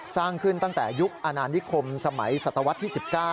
สร้างขึ้นตั้งแต่ยุคอนานิคมสมัยศตวรรษที่๑๙